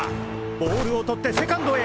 ボールを捕ってセカンドへ！